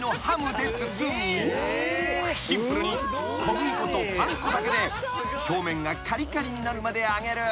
［シンプルに小麦粉とパン粉だけで表面がかりかりになるまで揚げる。